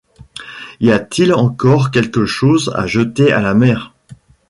Y a-t-il encore quelque chose à jeter à la mer ?